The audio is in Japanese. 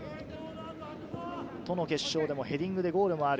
都の決勝でもヘディングでゴールもある。